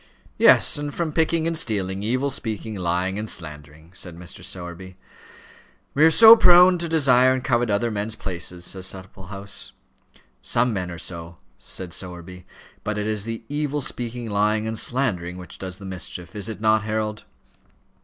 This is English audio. "Yes; and from picking and stealing, evil speaking, lying, and slandering," said Mr. Sowerby. "We are so prone to desire and covet other men's places," said Supplehouse. "Some men are so," said Sowerby; "but it is the evil speaking, lying, and slandering, which does the mischief. Is it not, Harold?"